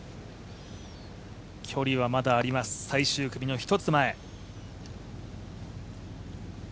距離はまだあります、最終組の１つ前。